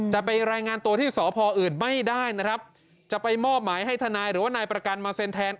จะไปรายงานตัวที่สพอื่นไม่ได้นะครับจะไปมอบหมายให้ทนายหรือว่านายประกันมาเซ็นแทน